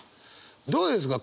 どうですか？